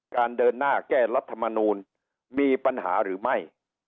เดินหน้าแก้รัฐมนูลมีปัญหาหรือไม่